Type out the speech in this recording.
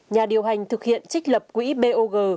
nhà điều hành thực hiện trích lập quỹ bog